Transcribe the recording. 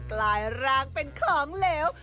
กลายร่างเป็นของเหลว